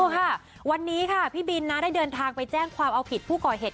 ค่ะวันนี้ค่ะพี่บินนะได้เดินทางไปแจ้งความเอาผิดผู้ก่อเหตุ